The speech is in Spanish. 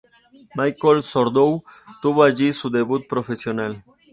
Michel Sardou tuvo allí su debut profesional.